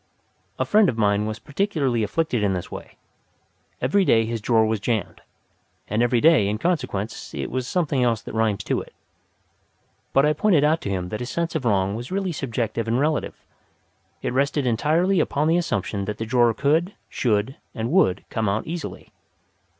A friend of mine was particularly afflicted in this way. Every day his drawer was jammed, and every day in consequence it was something else that rhymes to it. But I pointed out to him that this sense of wrong was really subjective and relative; it rested entirely upon the assumption that the drawer could, should, and would come out easily.